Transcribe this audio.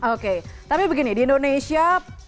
oke tapi begini di indonesia